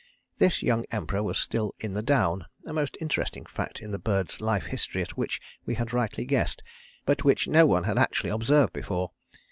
This young Emperor was still in the down, a most interesting fact in the bird's life history at which we had rightly guessed, but which no one had actually observed before.